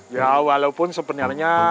ya walaupun sebenarnya